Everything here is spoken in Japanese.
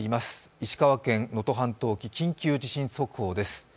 石川県能登半島沖、緊急地震速報です。